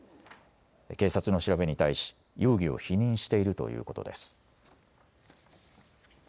警察の調べに対し、容疑を否認しているということです。